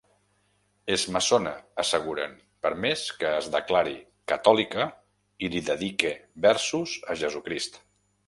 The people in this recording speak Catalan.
És maçona, asseguren, per més que es declare catòlica i li dedique versos a Jesucrist.